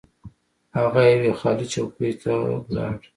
هغه یوې خالي چوکۍ ته لاړ.